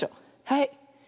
はい。